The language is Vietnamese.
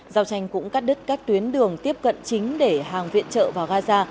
giao tranh cũng cắt đứt các tuyến đường tiếp cận chính để hàng viện trợ vào gaza